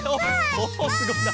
おっすごいな。